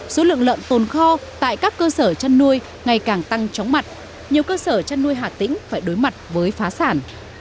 số lượng lợn tồn kho tại các cơ sở chăn nuôi ngày càng tăng chóng mặt nhiều cơ sở chăn nuôi hà tĩnh phải đối mặt với phá sản